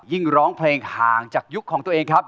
ร้องเพลงห่างจากยุคของตัวเองครับ